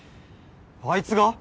あいつが？